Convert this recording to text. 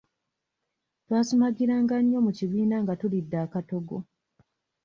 Twasumagiranga nnyo mu kibiina nga tulidde akatogo.